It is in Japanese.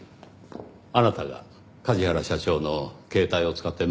あなたが梶原社長の携帯を使ってメールしたんですね？